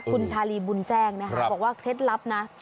คุณชาลีบุญแจ้งนะคะบอกว่าเคล็ดลับนะ